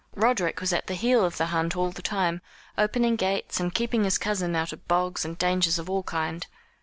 Roderick was at the heel of the hunt all the time, opening gates, and keeping his cousin out of bogs and dangers of all kinds.